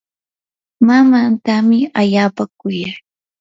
mamaatami allaapa kuya.